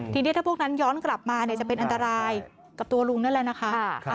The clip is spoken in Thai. ทีนี้ถ้าพวกนั้นย้อนกลับมาเนี่ยจะเป็นอันตรายกับตัวลุงนั่นแหละนะคะ